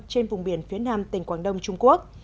trên vùng biển phía nam tỉnh quảng đông trung quốc